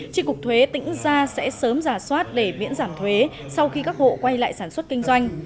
tri cục thuế tĩnh gia sẽ sớm giả soát để miễn giảm thuế sau khi các hộ quay lại sản xuất kinh doanh